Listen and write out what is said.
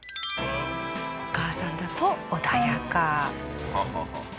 お母さんだと穏やか。